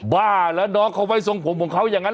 บ้าแล้วน้องเขาไว้ทรงผมของเขาอย่างนั้น